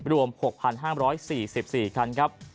รวม๖๕๔๔คันครับ